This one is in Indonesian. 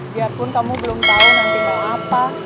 biarpun kamu belum tahu nanti mau apa